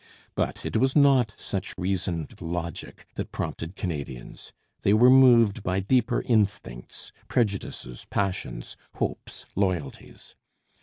But it was not such reasoned logic that prompted Canadians. They were moved by deeper instincts, prejudices, passions, hopes, loyalties.